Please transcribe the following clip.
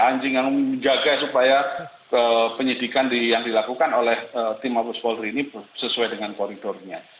anjing yang menjaga supaya penyidikan yang dilakukan oleh tim mabus polri ini sesuai dengan koridornya